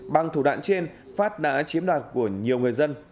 bằng thủ đoạn trên phát đã chiếm đoạt của nhiều người dân